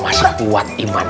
masih kuat iman